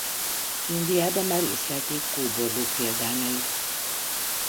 Indiában már észlelték kóborló példányait.